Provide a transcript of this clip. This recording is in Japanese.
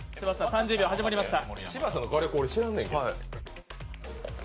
３０秒始まりました。